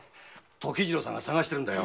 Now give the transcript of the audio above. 時次郎さんが捜してるんだよ。